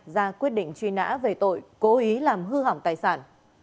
ra quyết định truy nã về tội cố ý làm hư hỏng tài sản